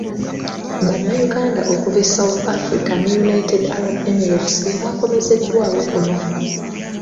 Bannayuganda okuva e South Africa ne United Arab Emirates bebaakomezeddwawo kuno.